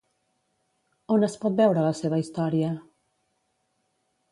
On es pot veure la seva història?